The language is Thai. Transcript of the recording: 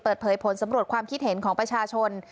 เปิดเผยผลสำรวจความคิดเห็นของประชาชน